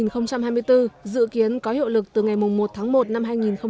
luật đất đai năm hai nghìn hai mươi bốn dự kiến có hiệu lực từ ngày một tháng một năm hai nghìn hai mươi năm